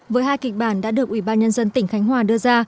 với hai kịch bản đã được ubnd tỉnh khánh hòa đưa ra